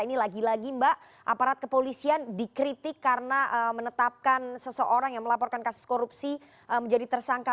ini lagi lagi mbak aparat kepolisian dikritik karena menetapkan seseorang yang melaporkan kasus korupsi menjadi tersangka